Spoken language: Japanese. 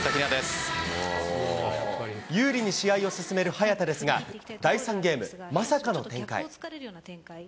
有利に試合を進める早田ですが、第３ゲーム、まさかの展開。